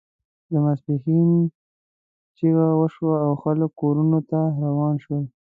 د ماسپښین جمعه وشوه او خلک کورونو ته روان شول.